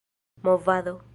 movado